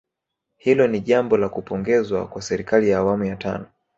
Hilo ni jambo la kupongezwa kwa serikali ya awamu ya tano